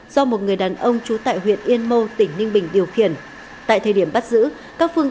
do một người đàn ông trú tại huyện yên mô tỉnh ninh bình điều khiển tại thời điểm bắt giữ các phương